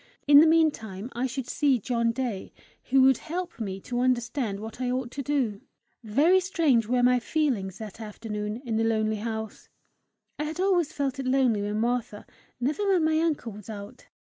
In the meantime I should see John Day, who would help me to understand what I ought to do! Very strange were my feelings that afternoon in the lonely house. I had always felt it lonely when Martha, never when my uncle was out.